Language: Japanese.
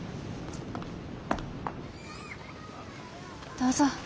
どうぞ。